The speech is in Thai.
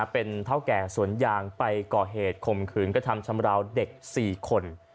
เป็นเท่าแก่สวนยางไปก่อเหตุข่มขืนกระทำชำราวเด็ก๔คน